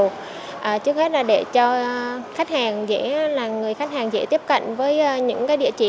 trước hết là để cho người khách hàng dễ tiếp cận với những địa chỉ